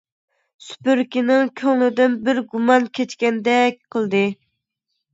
سۈپۈرگىنىڭ كۆڭلىدىن بىر گۇمان كەچكەندەك قىلدى.